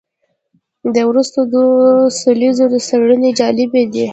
د وروستیو دوو لسیزو څېړنې جالبه دي.